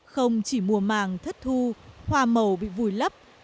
không chỉ mùa màng thất thu hoa màu bị vùi lấp